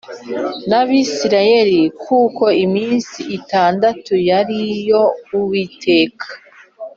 N abisirayeli kuko iminsi itandatu ari yo uwiteka